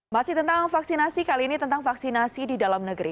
masih tentang vaksinasi kali ini tentang vaksinasi di dalam negeri